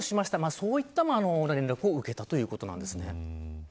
そういった連絡を受けたということです。